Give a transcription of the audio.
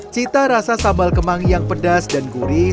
cita rasa sambal kemangi yang pedas dan gurih